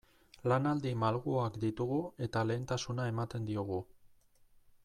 Lanaldi malguak ditugu eta lehentasuna ematen diogu.